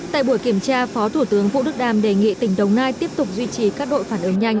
tại buổi kiểm tra phó thủ tướng vũ đức đam đề nghị tỉnh đồng nai tiếp tục duy trì các đội phản ứng nhanh